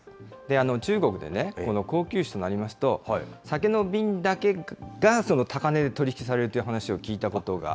中国でね、この高級酒となりますと、酒の瓶だけが高値で取り引きされるという話を聞いたことが。